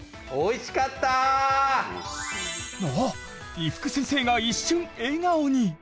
伊福先生が一瞬笑顔に！